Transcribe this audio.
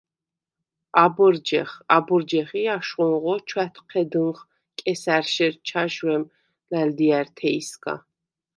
აბჷრჯეხ, აბჷრჯეხ ი აშხუნღო ჩვა̈თჴედჷნხ კესა̈რშერ ჩაჟვემ ლა̈ლდიართეჲსგა.